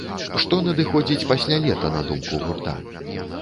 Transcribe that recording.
Што надыходзіць пасля лета на думку гурта?